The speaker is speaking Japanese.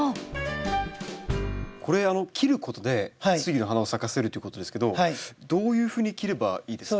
これ切ることで次の花を咲かせるということですけどどういうふうに切ればいいですか？